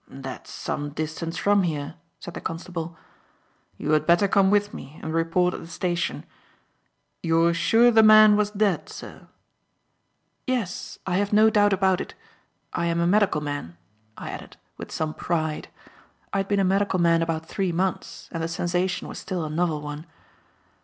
"That's some distance from here," said the constable. "You had better come with me and report at the station. You're sure the man was dead, sir?" "Yes, I have no doubt about it. I am a medical man," I added, with some pride (I had been a medical man about three months, and the sensation was still a novel one).